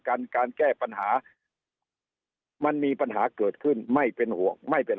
การการแก้ปัญหามันมีปัญหาเกิดขึ้นไม่เป็นห่วงไม่เป็น